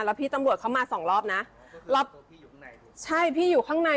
แล้วพี่ตำรวจเขามาสองรอบนะรอบพี่อยู่ข้างในใช่พี่อยู่ข้างใน